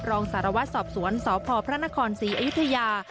รองสารวัตรสอบสวนสพพระนครศรีอยุธยา